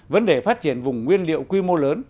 vấn đề phát triển vùng nguyên liệu quy mô lớn